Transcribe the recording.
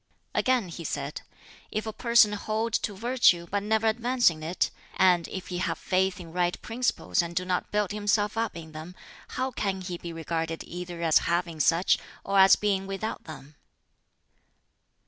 Again he said, "If a person hold to virtue but never advance in it, and if he have faith in right principles and do not build himself up in them, how can he be regarded either as having such, or as being without them?"